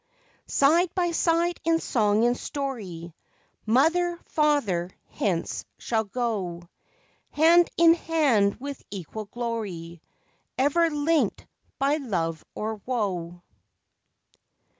Side by side in song and story, Mother, father hence shall go Hand in hand with equal glory, Ever linked by love or woe.